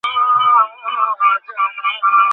মানুষ নিজের পরিচয় জানার জন্য সদা উদগ্রীব হয়ে থাকে।